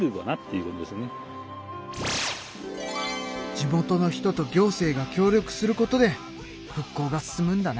地元の人と行政が協力することで復興が進むんだな。